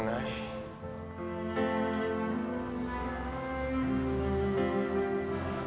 kamu dimana nay